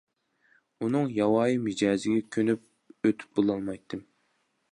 ئۇنىڭ ياۋايى مىجەزىگە كۆنۈپ ئۆتۈپ بولالمايتتىم.